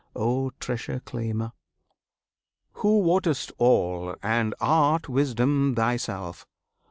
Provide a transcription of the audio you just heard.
O Treasure Claimer, Who wottest all, and art Wisdom Thyself!